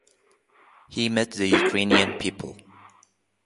He met the Ukrainian people.